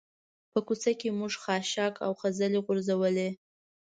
په کوڅه کې موږ خاشاک او خځلې غورځولي.